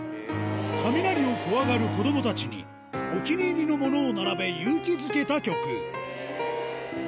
雷を怖がる子どもたちに、お気に入りのものを並べ勇気づけた曲。